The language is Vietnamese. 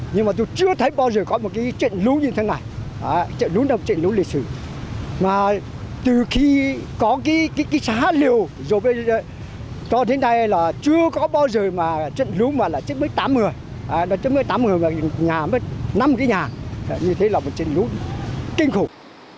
nhà mất năm cái nhà như thế là một trình lũ kinh khủng